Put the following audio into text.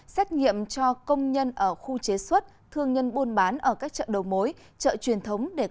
xét nghiệm cho công nhân ở khu chế xuất